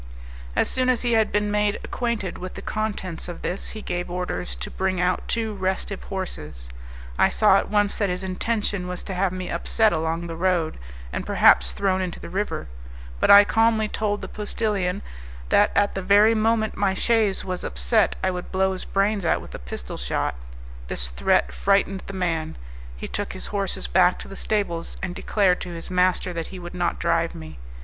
As soon as he had been made acquainted with the contents of this, he gave orders to bring out two restive horses. I saw at once that his intention was to have me upset along the road, and perhaps thrown into the river; but I calmly told the postillion that at the very moment my chaise was upset I would blow his brains out with a pistol shot; this threat frightened the man; he took his horses back to the stables, and declared to his master that he would not drive me.